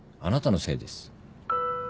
あなたのせいです。